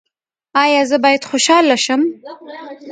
ایا زه باید خوشحاله شم؟